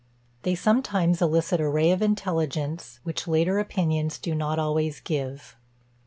They sometimes elicit a ray of intelligence, which later opinions do not always give.